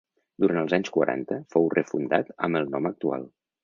Durant els anys quaranta fou refundat amb el nom actual.